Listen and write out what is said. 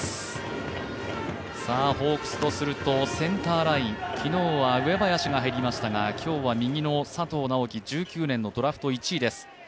ホークスとするとセンターライン、昨日は上林が入りましたが、今日は右の佐藤直樹、１９年のドラフト１位です。